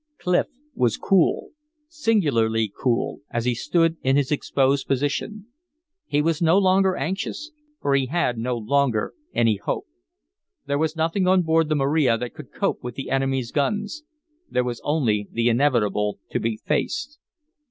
Clif was cool, singularly cool, as he stood in his exposed position. He was no longer anxious, for he had no longer any hope. There was nothing on board the Maria that could cope with the enemy's guns. There was only the inevitable to be faced.